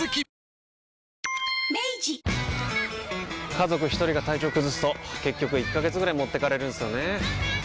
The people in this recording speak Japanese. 家族一人が体調崩すと結局１ヶ月ぐらい持ってかれるんすよねー。